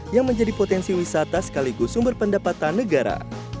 yang menjadi potensi wisata sekaligus sumber pendapatan negara